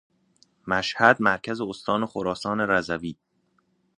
مشهد مرکز استان خراسان رضوی